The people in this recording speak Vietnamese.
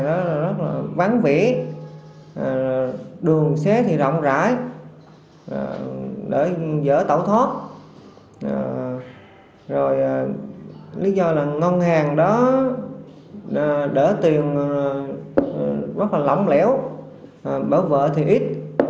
đó là rất là vắng vỉ đường xé thì rộng rãi đỡ dở tẩu thoát rồi lý do là ngân hàng đó đỡ tiền rất là lỏng lẽo bỡ vỡ thì ít